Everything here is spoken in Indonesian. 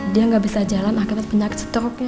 dia nggak bisa jalan akibat penyakit stropi